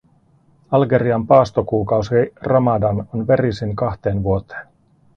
Algerian paastokuukausi ramadan on verisin kahteen vuoteen.